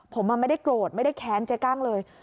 ผมไม่ได้โกรธไม่ได้แค้นเจ๊กั้งเลย